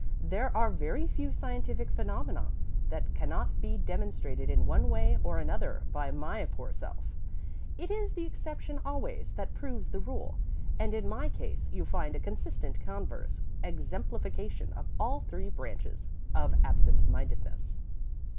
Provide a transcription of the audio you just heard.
"There are very few scientific phenomena that cannot be demonstrated in one way or another by my poor self. It is the exception always that proves the rule, and in my case you find a consistent converse exemplification of all three branches of absent mindedness."